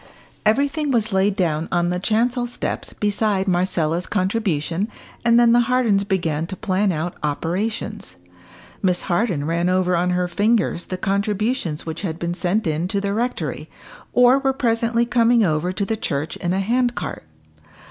Everything was laid down on the chancel steps beside Marcella's contribution, and then the Hardens began to plan out operations. Miss Harden ran over on her fingers the contributions which had been sent in to the rectory, or were presently coming over to the church in a hand cart.